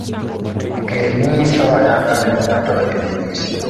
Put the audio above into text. nikech ginyiso ayanga gima ng'ato onego nyisi.